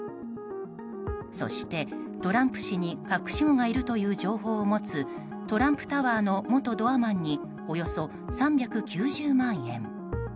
そして、トランプ氏に隠し子がいるという情報を持つトランプタワーの元ドアマンにおよそ３９０万円。